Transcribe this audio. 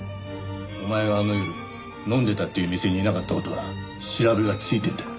お前があの夜飲んでたっていう店にいなかった事は調べがついてんだ。